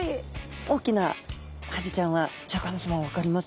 大きなハゼちゃんはシャーク香音さま分かります？